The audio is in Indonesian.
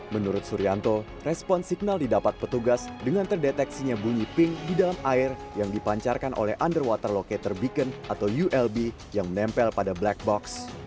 menurut suryanto respon signal didapat petugas dengan terdeteksinya bunyi pink di dalam air yang dipancarkan oleh underwater locator beacon atau ulb yang menempel pada black box